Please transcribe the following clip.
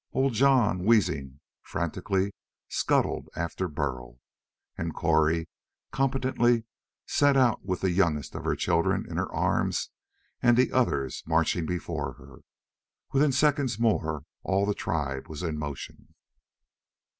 Old Jon, wheezing, frantically scuttled after Burl, and Cori competently set out with the youngest of her children in her arms and the others marching before her. Within seconds more, all the tribe was in motion.